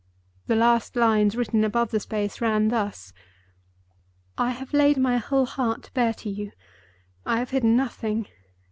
The last lines written above the space ran thus: "... I have laid my whole heart bare to you; I have hidden nothing.